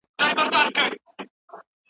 د يار زړه نه دی په کږو شېبو کې ځينه